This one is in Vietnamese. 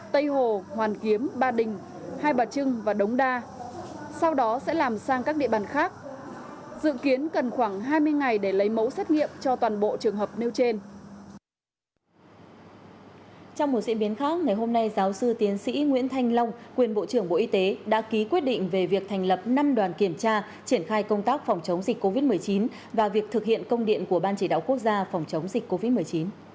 trong một diễn biến khác ngày hôm nay giáo sư tiến sĩ nguyễn thanh long quyền bộ trưởng bộ y tế đã ký quyết định về việc thành lập năm đoàn kiểm tra triển khai công tác phòng chống dịch covid một mươi chín và việc thực hiện công điện của ban chỉ đạo quốc gia phòng chống dịch covid một mươi chín